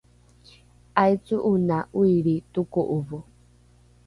’aico’ona ’oilri toko’ovo!